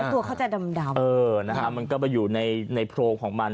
ตัวเขาจะดำเออนะครับมันก็อยู่ในโพรงของมัน